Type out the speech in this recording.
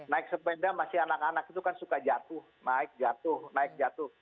naik sepeda masih anak anak itu kan suka jatuh naik jatuh naik jatuh